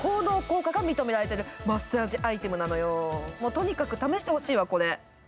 とにかく試してほしいわ、これ。